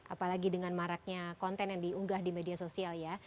apalagi dengan maraknya konten yang diunggah di media sosial ya